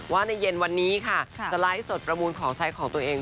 ว่าในเย็นวันนี้ค่ะจะไลฟ์สดประมูลของใช้ของตัวเอง